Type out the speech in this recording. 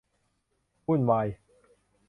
วุ่นวาย